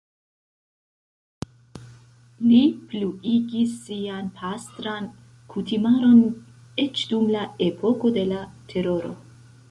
Li pluigis sian pastran kutimaron eĉ dum la epoko de la Teroro.